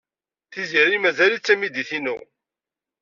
Tiziri mazal-itt d tamidit-inu.